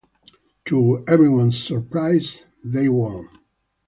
To everyone's surprise, they won.